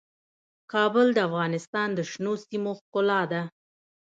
کابل د افغانستان د شنو سیمو ښکلا ده.